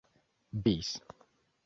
bis